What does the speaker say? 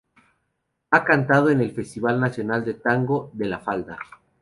Ha cantado en el Festival Nacional de Tango de La Falda.